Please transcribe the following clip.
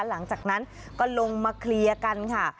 หลังจากนั้นก็ลงมาเคลียร์กันค่ะ